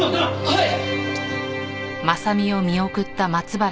はい！